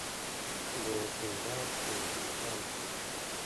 د فین باغ په کاشان کې دی.